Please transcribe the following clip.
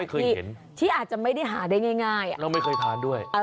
ที่อาจจะไม่ได้หาได้ง่ายแล้วไม่เคยทานด้วย